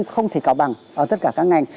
không thể cạo bằng ở tất cả các ngành